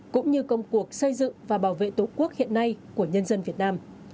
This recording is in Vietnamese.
cũng như công cuộc xây dựng và bảo vệ tổ quốc hiện nay của nhân dân việt nam